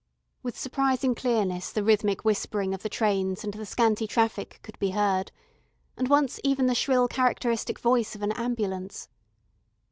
With surprising clearness the rhythmic whispering of the trains and the scanty traffic could be heard, and once even the shrill characteristic voice of an ambulance.